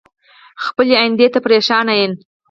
خپلې ايندی ته پریشان ين